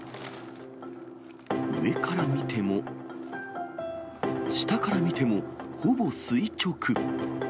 上から見ても、下から見ても、ほぼ垂直。